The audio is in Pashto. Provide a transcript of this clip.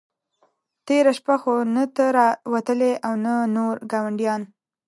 تېره شپه خو نه ته را وتلې او نه نور ګاونډیان.